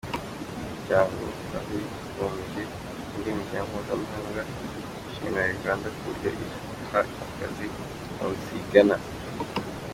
Umuryango w'abibumbye n'indi miryango mpuzamahanga ishimira Uganda uburyo iha ikaze impunzi ziyigana.